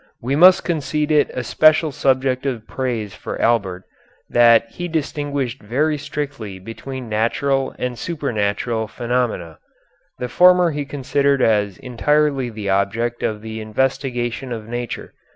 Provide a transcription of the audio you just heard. We must concede it a special subject of praise for Albert that he distinguished very strictly between natural and supernatural phenomena. The former he considered as entirely the object of the investigation of nature.